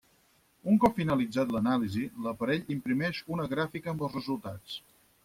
Un cop finalitzat l'anàlisi, l'aparell imprimeix una gràfica amb els resultats.